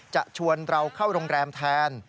จะชวนเราเข้าโรงแรมแทน